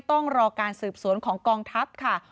ต้องรอการสืบสวนของกองทัพค่ะ